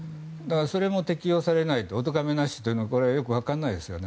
それも適用されないおとがめなしというのはよく分からないですよね。